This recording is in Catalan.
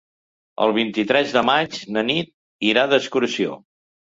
El vint-i-tres de maig na Nit irà d'excursió.